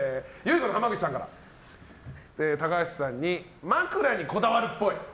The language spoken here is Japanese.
この濱口さんから高橋さんに、枕にこだわるっぽい。